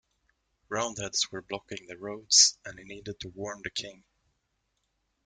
Roundheads were blocking the roads and he needed to warn the King.